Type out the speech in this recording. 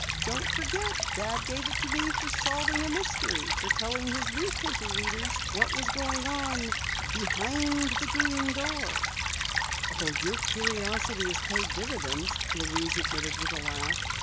"Don't forget Dad gave it to me for solving a mystery, for telling his newspaper readers what was going on Behind the Green Door." "Oh, your curiosity has paid dividends," Louise admitted with a laugh.